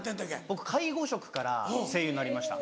僕介護職から声優になりました。